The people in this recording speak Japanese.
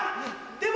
でも。